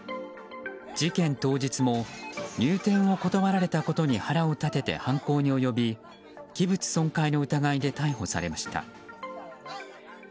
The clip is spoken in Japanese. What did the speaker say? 事件当日も入店を断られたことに腹を立て犯行に及び器物損壊の疑いで逮捕されました。